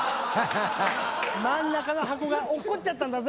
真ん中の箱が落っこっちゃったんだぜ。